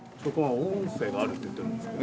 音声があると言ってるんですけど。